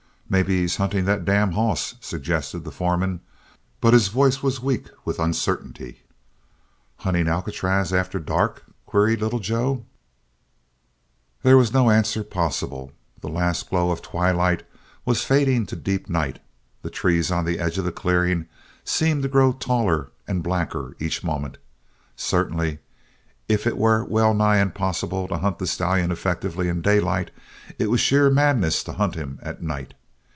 "Maybe he's hunting that damn hoss?" suggested the foreman, but his voice was weak with uncertainty. "Hunting Alcatraz after dark?" queried Little Joe. There was no answer possible. The last glow of twilight was fading to deep night. The trees on the edge of the clearing seemed to grow taller and blacker each moment. Certainly if it were well nigh impossible to hunt the stallion effectively in daylight it was sheer madness to hunt him at night.